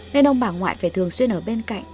nên ông bà ngoại phải thường xuyên ở bên cạnh